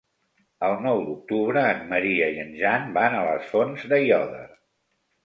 El nou d'octubre en Maria i en Jan van a les Fonts d'Aiòder.